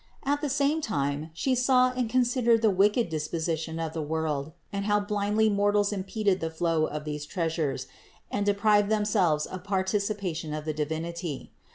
At the same time She saw and considered the wicked disposition of the world, and how blindly mortals impeded the flow of these treasures and deprived themselves of participa tion of the Divinity.